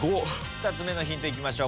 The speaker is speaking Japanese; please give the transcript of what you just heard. ２つ目のヒントいきましょう。